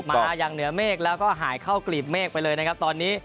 มาอย่างเหนือเมฆแล้วก็หายเข้ากลีบเมฆไปเลยนะครับตอนนี้